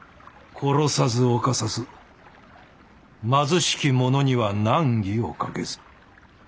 殺さず犯さず貧しき者には難儀をかけず。